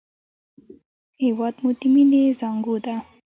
هېواد مو د مینې زانګو ده